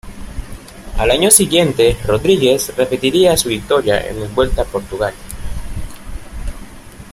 Al año siguiente, Rodrigues repetiría su victoria en la Vuelta a Portugal.